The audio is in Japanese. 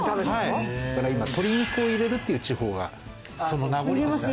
だから今鶏肉を入れるっていう地方がその名残としてある。